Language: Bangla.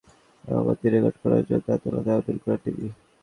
তাঁর কাছ থেকে স্বীকারোক্তিমূলক জবানবন্দি রেকর্ড করার জন্য আদালতে আবেদন করে ডিবি।